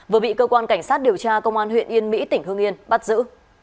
vừa bị cơ quan cảnh sát điều tra công an huyện yên mỹ tỉnh hương yên bắt giữ